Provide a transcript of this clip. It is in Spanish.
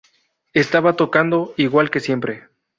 Estaba tocando igual que siempre.